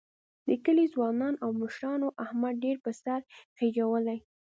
د کلي ځوانانو او مشرانو احمد ډېر په سر خېجولی